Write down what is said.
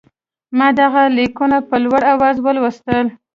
ما دغه لیکونه په لوړ آواز ولوستل.